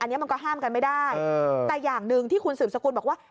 อันนี้มันก็ห้ามกันไม่ได้แต่อย่างหนึ่งที่คุณสืบสกุลบอกว่า